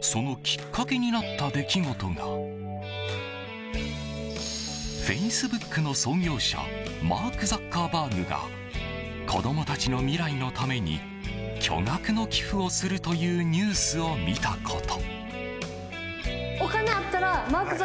そのきっかけになった出来事がフェイスブックの創業者マーク・ザッカーバーグが子供たちの未来のために巨額の寄付をするというニュースを見たこと。